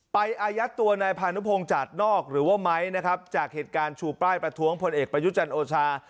อายัดตัวนายพานุพงศ์จัดนอกหรือว่าไม้นะครับจากเหตุการณ์ชูป้ายประท้วงพลเอกประยุจันทร์โอชา